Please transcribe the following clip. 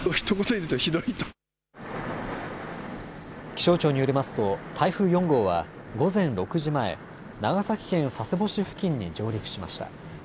気象庁によりますと台風４号は午前６時前、長崎県佐世保市付近に上陸しました。